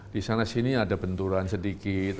disana sini ada benturan sedikit